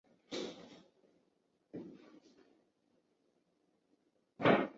此后该家族继承人一直被中央政府封为辅国公或台吉爵位。